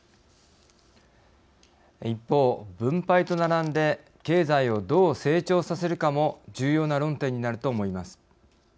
一方、分配と並んで経済をどう成長させるかも重要な論点になると思います。